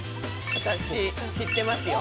私、知ってますよ。